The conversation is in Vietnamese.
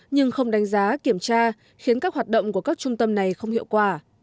nhưng không đánh giá kiểm tra khiến các hoạt động của các trung tâm này không hiệu quả